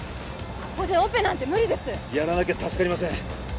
ここでオペなんて無理ですやらなきゃ助かりません